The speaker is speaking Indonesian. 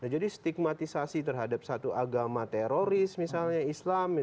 jadi stigmatisasi terhadap satu agama teroris misalnya islam